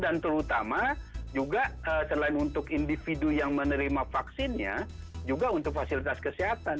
dan terutama juga selain untuk individu yang menerima vaksinnya juga untuk fasilitas kesehatan